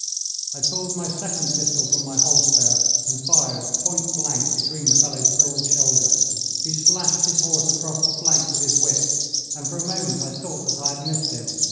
I pulled my second pistol from my holster and fired point blank between the fellow's broad shoulders. He slashed his horse across the flank with his whip, and for a moment I thought that I had missed him.